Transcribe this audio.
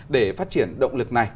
để phát triển động lực này